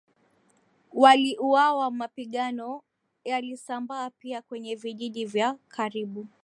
waliuawa Mapigano yalisambaa pia kwenye vijiji vya karibu